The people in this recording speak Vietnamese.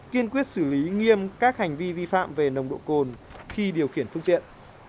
kiên quyết xử lý nghiêm các hành vi vi phạm về nồng độ cồn khi điều khiển phương tiện